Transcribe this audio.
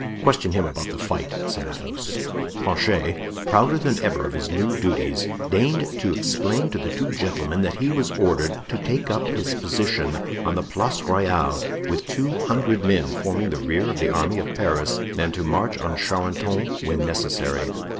"Question him about the fight," said Athos. Planchet, prouder than ever of his new duties, deigned to explain to the two gentlemen that he was ordered to take up his position on the Place Royale with two hundred men, forming the rear of the army of Paris, and to march on Charenton when necessary.